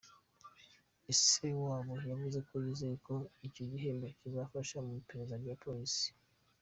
Se wabo yavuze ko yizeye ko icyo gihembo kizafasha mu iperereza rya polisi.